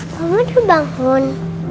kamu udah bangun